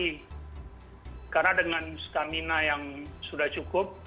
karena dengan stamina yang sudah cukup